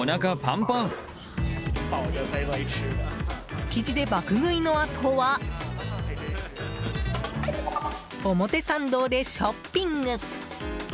築地で爆食いのあとは表参道でショッピング。